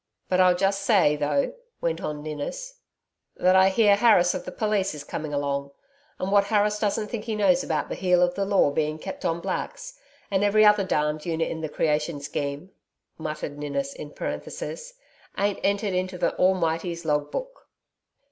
'But I'll just say, though,' went on Ninnis, 'that I hear Harris of the police is coming along. And what Harris doesn't think he knows about the heel of the law being kept on Blacks and every other darned unit in the creation scheme' muttered Ninnis in parenthesis 'ain't entered in the Almighty's Log book.'